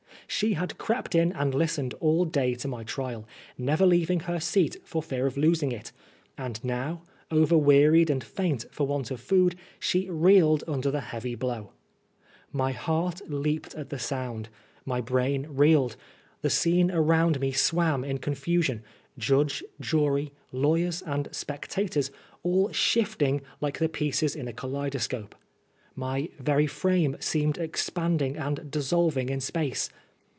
She had crept in and listened all day to my trial, never leaving her seat for fear of losing it ; and now, overwearied and faint for want of food, she reeled under the heavy blow. My heart leaped at the sound ; my brain reeled ; the scene around me swam in confusion — ^judge, jury, lawyers and spectators all shifting like the pieces in TBB SSCOND TBUX. lOiV a kaleidoscope ; my very frame seemed expanding and dissolving in space.